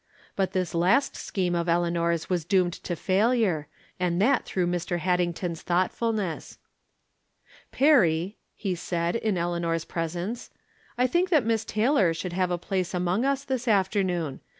But this last scheme of Eleanor's was doomed to faUure, and that through Mr. Haddington's thoughtfulness. " Perry," he said, in Eleanor's presence, " I think that Miss Taylor should have a place among us this afternoon.